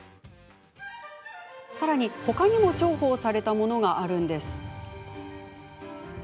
さらに、他にも重宝されたものがあるんです。